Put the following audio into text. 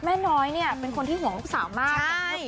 แม่น้อยเป็นคนที่หวังลูกสาวมาก